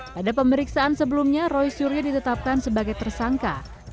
pada pemeriksaan sebelumnya roy suryo ditetapkan sebagai tersangka